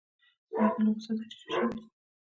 آیا د اوبو سطحه ټیټه شوې؟